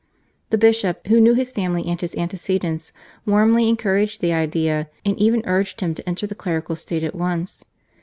The Bishop, who knew his family and his antecedents, warmly encouraged the idea, and even urged him to enter the clerical state at once.